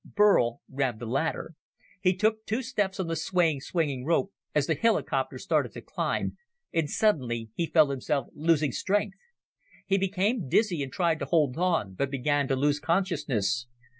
Burl grabbed the ladder. He took two steps on the swaying, swinging rope as the helicopter started to climb and suddenly he felt himself losing strength. He became dizzy and tried to hold on, but began to lose consciousness.